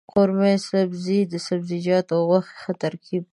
قورمه سبزي د سبزيجاتو او غوښې ښه ترکیب دی.